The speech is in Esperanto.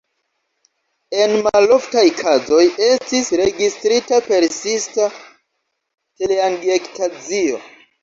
En maloftaj kazoj estis registrita persista teleangiektazio.